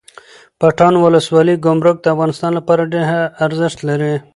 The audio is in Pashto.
پټان ولسوالۍ ګمرک د افغانستان لپاره ډیره ارزښت لري